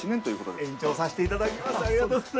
延長さしていただきます